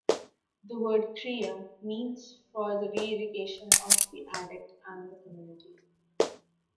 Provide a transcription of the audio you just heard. The word "Crea" means for the re-education of the addict and the community.